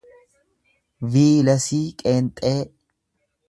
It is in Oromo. viilesii qeenxee